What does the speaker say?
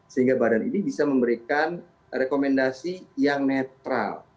sehingga badan ini bisa memberikan rekomendasi yang netral